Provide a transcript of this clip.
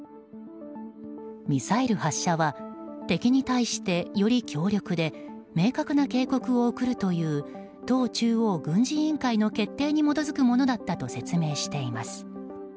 ミサイル発射は敵に対してより強力で明確な警告を送るという党中央軍事委員会の決定に基づくものだったと説明しています。